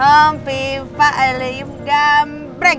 ompi empat i love you gam breng